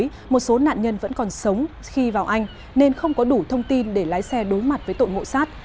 nhiều nạn nhân vẫn còn sống khi vào anh nên không có đủ thông tin để lái xe đối mặt với tội ngộ sát